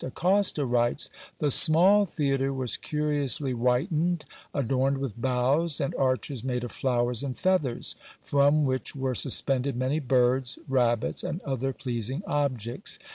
Acosta writes, "The small theatre was curiously whitened, adorned with boughs, and arches made of flowers and feathers, from which were suspended many birds, rabbits, and other pleasing objects.